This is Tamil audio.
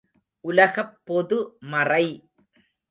உலகப் பொது மறை!